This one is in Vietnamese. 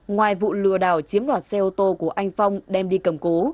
ngoài vụ lừa đảo chiếm đoạt xe ô tô của anh phong đem đi cầm cố